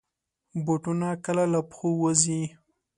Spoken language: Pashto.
بوټونه کله له پښو وځي.